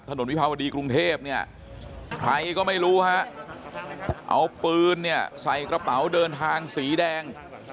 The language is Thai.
วิภาวดีกรุงเทพเนี่ยใครก็ไม่รู้ฮะเอาปืนเนี่ยใส่กระเป๋าเดินทางสีแดง